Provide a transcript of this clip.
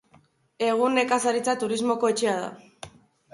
Egun nekazaritza turismoko etxea da.